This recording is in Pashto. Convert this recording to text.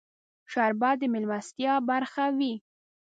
شربت د مېلمستیا برخه وي